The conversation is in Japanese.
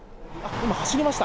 今、走りました、